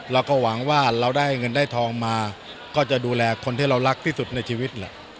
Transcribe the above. เราก็หวังว่าเราได้เงินได้ทองมาก็จะดูแลคนที่เรารักที่สุดในชีวิตแหละ